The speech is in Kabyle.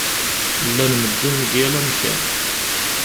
Llan medden deg yal amkan.